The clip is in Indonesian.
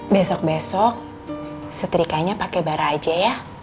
besok besok setrikanya pakai bara aja ya